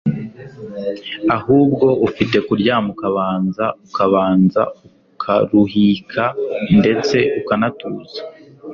ahubwo ufite kuryama ukabanza ukabanza ukaruhika ndetse ukanatuza